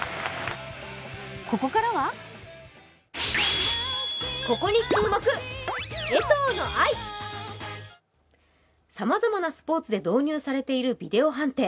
ここからはさまざまなスポーツで導入されているビデオ判定。